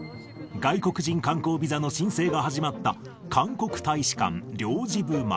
外国人観光ビザの申請が始まった韓国大使館領事部前。